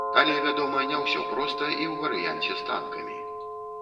Але, вядома, не ўсё проста і ў варыянце з танкамі.